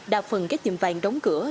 đa phần các tiệm vàng đóng cửa